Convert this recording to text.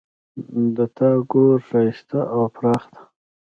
د تا کور ښایسته او پراخ ده